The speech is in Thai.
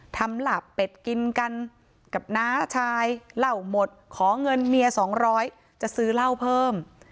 หลาบเป็ดกินกันกับน้าชายเหล้าหมดขอเงินเมียสองร้อยจะซื้อเหล้าเพิ่ม